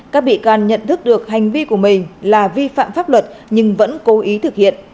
các bị can nhận thức được hành vi của mình là vi phạm pháp luật nhưng vẫn cố ý thực hiện